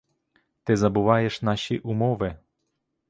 Ти забуваєш наші умови.